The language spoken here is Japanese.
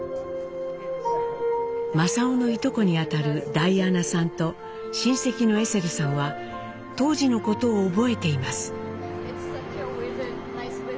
正雄のいとこにあたるダイアナさんと親戚のエセルさんは当時のことを覚えています。